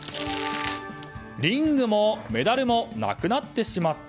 リングもメダルもなくなってしまった。